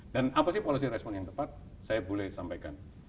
dan apa sih policy response yang tepat saya boleh sampaikan